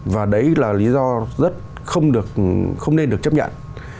và đấy là lý do rất nên được chấp nhận